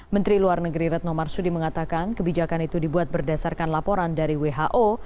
menteri luar negeri retno marsudi mengatakan kebijakan itu dibuat berdasarkan laporan dari who